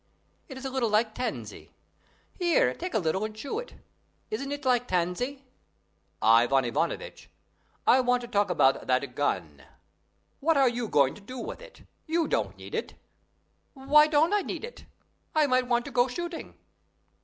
It is a little like tansy. Here, take a little and chew it; isn't it like tansy?" "Ivan Nikiforovitch, I want to talk about that gun; what are you going to do with it? You don't need it." "Why don't I need it? I might want to go shooting."